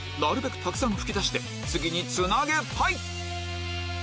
たくさん吹き出して次につなげたい！